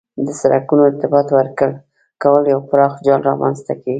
د سرکونو ارتباط ورکول یو پراخ جال رامنځ ته کوي